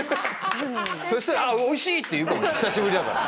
そしたら「美味しい！」って言うかも久しぶりだから。